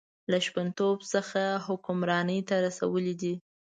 له شپونتوب څخه حکمرانۍ ته رسولی دی.